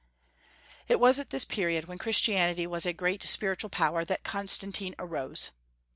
It was at this period, when Christianity was a great spiritual power, that Constantine arose.